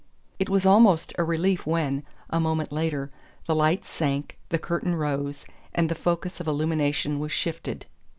It was almost a relief when, a moment later, the lights sank, the curtain rose, and the focus of illumination was shifted.